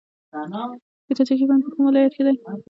د کجکي بند په کوم ولایت کې دی؟